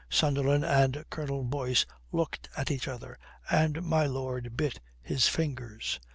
Sunderland and Colonel Boyce looked at each other, and my lord bit his fingers.